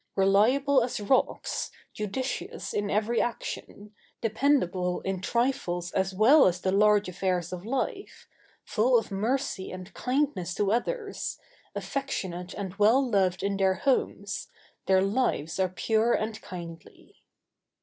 Reliable as rocks, judicious in every action, dependable in trifles as well as the large affairs of life, full of mercy and kindness to others, affectionate and well loved in their homes, their lives are pure and kindly.